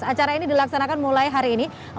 acara ini dilaksanakan mulai hari ini